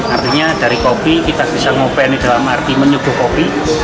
artinya dari kopi kita bisa ngope ini dalam arti menyuguh kopi